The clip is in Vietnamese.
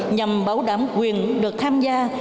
nhằm bảo đảm quyền được tham gia